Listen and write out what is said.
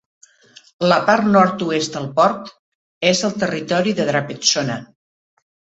La part nord-oest del port és al territori de Drapetsona.